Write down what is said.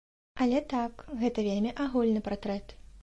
Але так, гэта вельмі агульны партрэт.